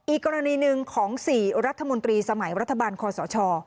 อีกกรณีหนึ่งของ๔รัฐมนตรีสมัยรัฐบาลคอสช